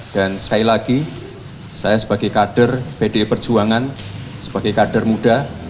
dan sekali lagi saya sebagai kader pdi perjuangan sebagai kader muda